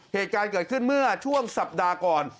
เหตุการณ์เกิดขึ้นเมื่อช่วงสัปดาห์ก่อน